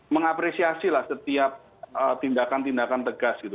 mengapresiasi lah setiap tindakan tindakan tegas gitu